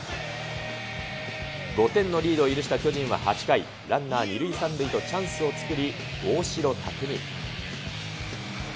５点のリードを許した巨人は８回、ランナー２塁３塁と、チャンスを作り、大城卓三。